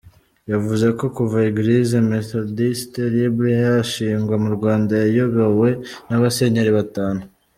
Yavuze ko kuva Église Méthodiste Libre yashingwa mu Rwanda yayobowe n’abasenyeri batanu.